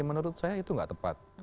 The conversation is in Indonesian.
menurut saya itu nggak tepat